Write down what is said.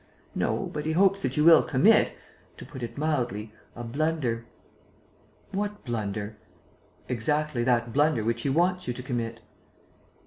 "No, but he hopes that you will commit, to put it mildly, a blunder." "What blunder?" "Exactly that blunder which he wants you to commit."